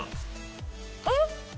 えっ？